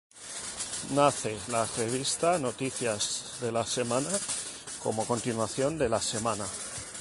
Nace la revista “Noticias de la Semana", como continuación de "La Semana".